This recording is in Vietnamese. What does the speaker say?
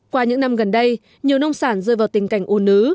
qua những năm gần đây nhiều nông sản rơi vào tình cảnh u nứ